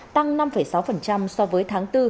tăng năm sáu so với tháng bốn